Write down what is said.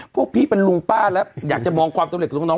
พวกพี่เป็นลุงป้าแล้วอยากจะมองความสำเร็จของน้อง